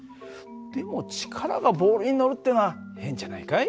でも力がボールに乗るっていうのは変じゃないかい？